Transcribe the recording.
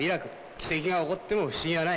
奇跡が起こっても不思議はない。